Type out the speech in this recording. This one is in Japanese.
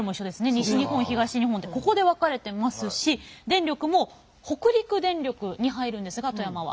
西日本東日本ってここで分かれてますし電力も北陸電力に入るんですが富山は。